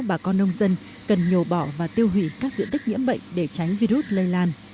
bà con nông dân cần nhổ bỏ và tiêu hủy các diện tích nhiễm bệnh để tránh virus lây lan